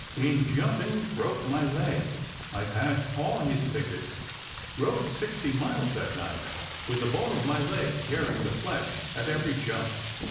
In jumping broke my leg. I passed all his pickets. Bode sixty miles that night, with the bone of my leg tearing Apni, 1865. the flesh at every jump."